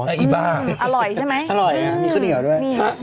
อร่อยใช่ไหมอร่อยมีขนิดหน่อยด้วย